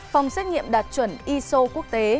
phòng xét nghiệm đạt chuẩn iso quốc tế